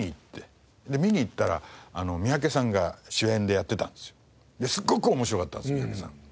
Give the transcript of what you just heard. で見に行ったら三宅さんが主演でやってたんですよ。ですごく面白かったんです三宅さん。